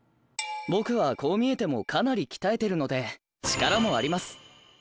僕はこう見えてもかなり鍛えてるので力もあります。